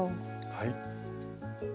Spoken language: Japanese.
はい。